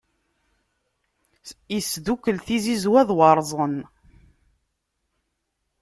Isdukkul tizizwa d warẓen.